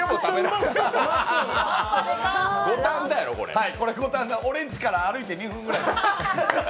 五反田、俺んちから歩いて２分ぐらい。